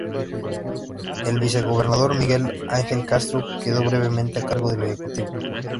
El vicegobernador Miguel Ángel Castro quedó brevemente a cargo del ejecutivo.